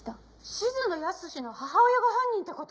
「静野保志の母親が犯人って事？」